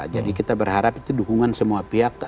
jadi kita berharap itu dukungan semua pihak